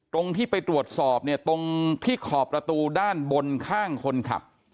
ตรงที่ไปตรวจสอบเนี่ยตรงที่ขอบประตูด้านบนข้างคนขับ